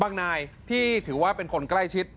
นายที่ถือว่าเป็นคนใกล้ชิด